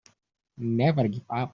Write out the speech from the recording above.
Never give up.